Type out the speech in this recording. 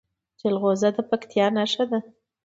جلغوزه د پکتیا نښه ده.